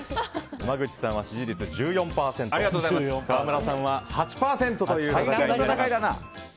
濱口さんは支持率１４％川村さんは８％という戦いになります。